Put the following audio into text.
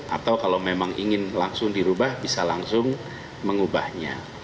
atau kalau memang ingin langsung dirubah bisa langsung mengubahnya